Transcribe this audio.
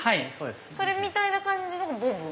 それみたいな感じのがボブン？